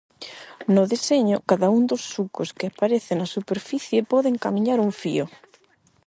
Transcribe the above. No deseño, cada un dos sucos que aparecen na superficie pode encamiñar un fío.